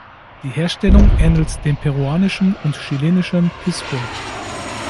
Die Herstellung ähnelt dem peruanischen und chilenischen Pisco.